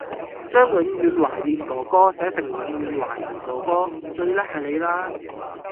將「永遠懷念哥哥」寫成「永遠懷疑哥哥」最叻係你啦